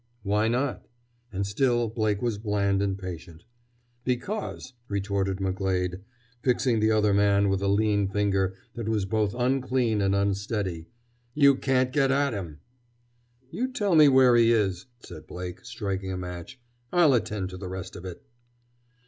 "Why not?" And still Blake was bland and patient. "Because," retorted McGlade, fixing the other man with a lean finger that was both unclean and unsteady, "you can't get at him!" "You tell me where he is," said Blake, striking a match. "I'll attend to the rest of it!"